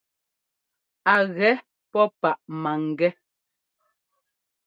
A gɛ pó páʼ máŋgɛ́.